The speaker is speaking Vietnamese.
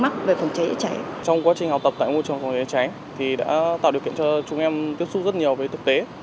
trong quá trình học tập tại môi trường phòng cháy chữa cháy thì đã tạo điều kiện cho chúng em tiếp xúc rất nhiều về thực tế